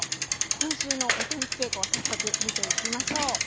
今週のお天気傾向を早速、見ていきましょう。